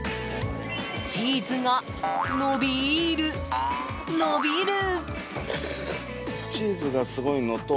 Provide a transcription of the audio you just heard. チーズが伸びる伸びる！